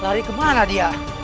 lari kemana dia